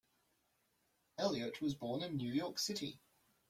Elliot was born in New York City.